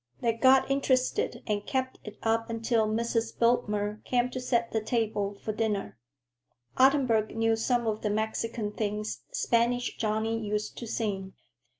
They got interested and kept it up until Mrs. Biltmer came to set the table for dinner. Ottenburg knew some of the Mexican things Spanish Johnny used to sing.